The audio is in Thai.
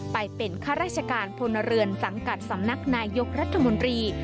ไปเป็นข้าราชการพลเรือนสังกัดสำนักนายยกรัฐมนตรี